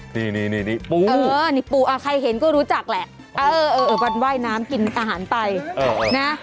นี่นี่ปูนี่ปูใครเห็นก็รู้จักแหละเออวันว่ายน้ำกินอาหารไปนะ